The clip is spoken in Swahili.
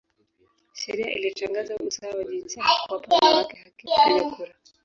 Sheria ilitangaza usawa wa jinsia na kuwapa wanawake haki ya kupiga kura.